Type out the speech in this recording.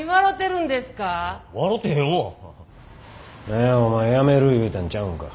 何やお前辞める言うたんちゃうんか？